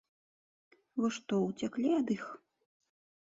Вы што, уцяклі ад іх?